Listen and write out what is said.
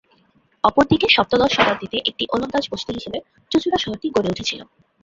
অপরদিকে সপ্তদশ শতাব্দীতে একটি ওলন্দাজ বসতি হিসেবে চুঁচুড়া শহরটি গড়ে উঠেছিল।